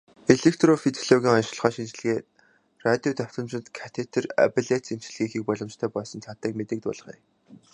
Электрофизиологийн оношилгоо, шинжилгээ, радио давтамжит катетр аблаци эмчилгээг хийх боломжтой болсон таатай мэдээг дуулгая.